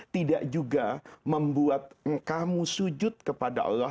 tidak juga membuat kamu sujud kepada allah